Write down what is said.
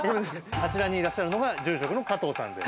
あちらにいらっしゃるのが住職の加藤さんです。